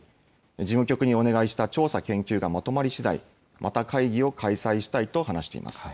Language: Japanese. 事務局にお願いした調査・研究がまとまりしだい、また会議を開催したいと話しています。